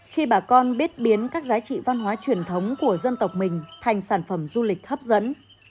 khi bà con biết biến các giá trị văn hóa truyền thống của dân tộc mình thành sản phẩm du lịch hấp dẫn